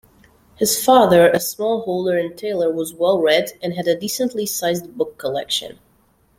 His father, a smallholder and tailor, was well-read and had a decently-sized book collection.